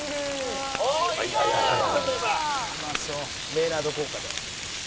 「メイラード効果で」